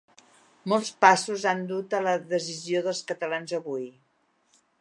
Molts passos han dut a la decisió dels catalans avui.